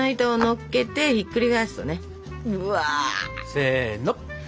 せの。